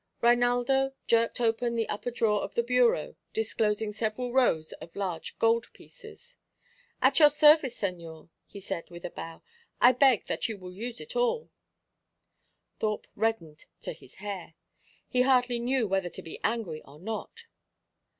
Reinaldo jerked open the upper drawer of the bureau, disclosing several rows of large goldpieces. "At your service, señor," he said with a bow. "I beg that you will use it all." Thorpe reddened to his hair. He hardly knew whether to be angry or not.